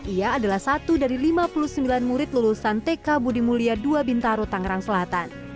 ia adalah satu dari lima puluh sembilan murid lulusan tk budi mulia ii bintaro tangerang selatan